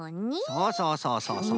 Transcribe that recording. そうそうそうそうそう。